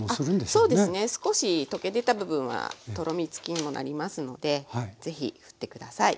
そうですね少し溶け出た部分はとろみつきにもなりますので是非ふって下さい。